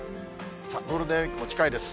ゴールデンウィークも近いです。